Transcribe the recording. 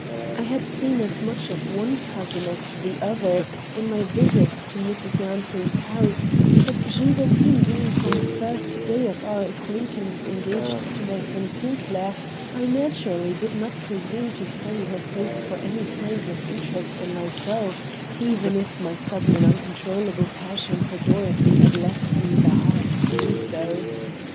I had seen as much of one cousin as the other in my visits to Mrs. Lansing's house, but Gilbertine being from the first day of our acquaintance engaged to my friend Sinclair, I naturally did not presume to study her face for any signs of interest in myself, even if my sudden and uncontrollable passion for Dorothy had left me the heart to do so.